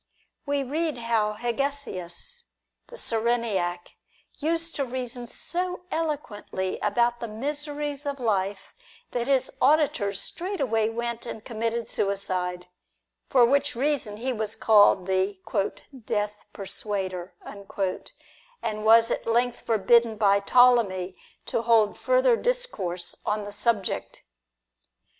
We read how Hegesias, the Cyrenaic, used to reason so eloquently about the miseries of life, that his auditors straightway went and committed suicide ; for which reason he was called the " death persuader," and was at length forbidden by Ptolemy to hold further discourse on the subject.